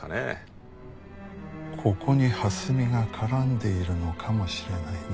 ここに蓮見が絡んでいるのかもしれないな。